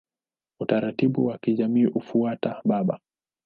Utaratibu wa kijamii hufuata baba.